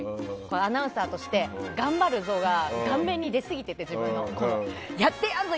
アナウンサーとして頑張るぞが顔面に出すぎててやってやるぞ！